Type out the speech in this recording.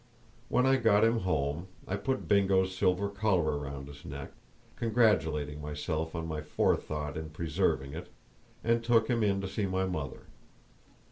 When I got him home I put Bingo's silver collar round his neck, congratulating myself on my forethought in preserving it, and took him in to see my mother.